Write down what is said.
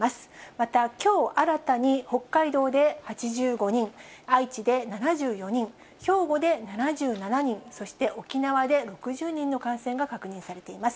またきょう新たに、北海道で８５人、愛知で７４人、兵庫で７７人、そして沖縄で６０人の感染が確認されています。